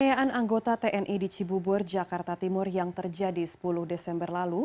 kekayaan anggota tni di cibubur jakarta timur yang terjadi sepuluh desember lalu